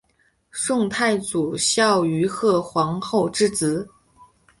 宋太祖孝惠贺皇后之侄。